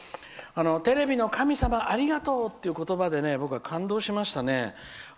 テレビの神様ありがとうという言葉で僕は感動しましたね。